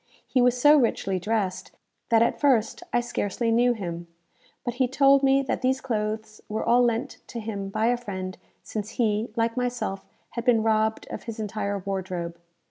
He was so richly dressed, that at first I scarcely knew him; but he told me that these clothes were all lent to him by a friend, since he, like myself, had been robbed of his entire wardrobe.